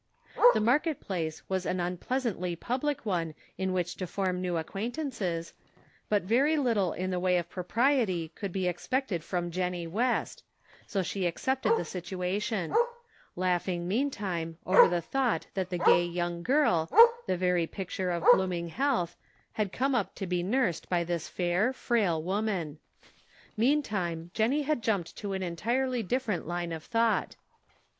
The market place was an unpleasantly public one in which to form new acquaintances, but very little in the way of propriety could be expected from Jennie West, so she accepted the situation; laughing meantime over the thought that the gay young girl, the very picture of blooming health, had come up to be nursed by this fair, frail woman. Meantime Jennie had jumped to an entirely different line of thought.